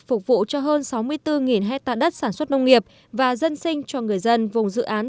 phục vụ cho hơn sáu mươi bốn hectare đất sản xuất nông nghiệp và dân sinh cho người dân vùng dự án